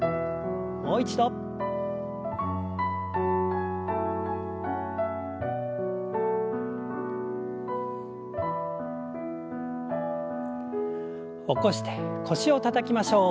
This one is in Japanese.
もう一度。起こして腰をたたきましょう。